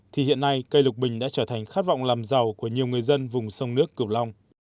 thì hiện nay cây lục bình đã trở thành khát vọng làm giàu của nhiều người dân vùng sông nước cửu long